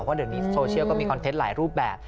เพราะเดี๋ยวนี้โซเชียลก็มีคอนเทนต์หลายรูปแบบ